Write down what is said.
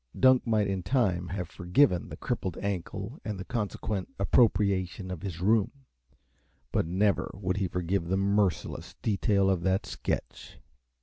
Dunk might, in time, have forgiven the crippled ankle, and the consequent appropriation of his room, but never would he forgive the merciless detail of that sketch.